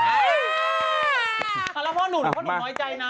แล้วพ่อหนุ่มพ่อหนุ่มน้อยใจนะ